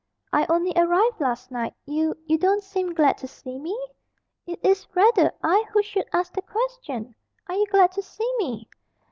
"I only arrived last night. You you don't seem glad to see me?" "It is rather I who should ask the question. Are you glad to see me?"